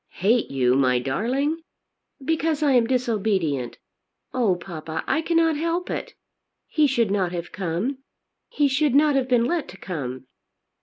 "Hate you, my darling?" "Because I am disobedient. Oh, papa, I cannot help it. He should not have come. He should not have been let to come."